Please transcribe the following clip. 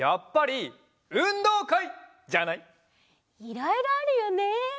いろいろあるよね。